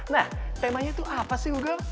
nah temanya tuh apa sih hugo